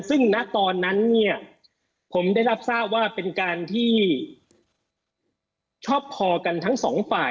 ซึ่งณตอนนั้นเนี่ยผมได้รับทราบว่าเป็นการที่ชอบพอกันทั้งสองฝ่าย